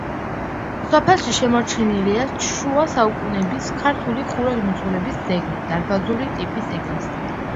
სოფელში შემორჩენილია შუა საუკუნეების ქართული ხუროთმოძღვრების ძეგლი, დარბაზული ტიპის ეკლესია.